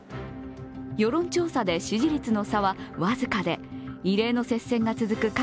世論調査で支持率の差は僅かで、異例の接戦が続く